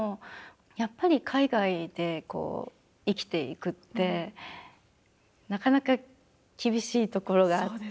やっぱり海外で生きていくってなかなか厳しいところがあって。